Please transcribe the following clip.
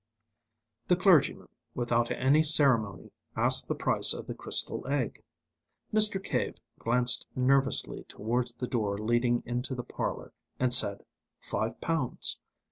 The clergyman, without any ceremony, asked the price of the crystal egg. Mr. Cave glanced nervously towards the door leading into the parlour, and said five pounds.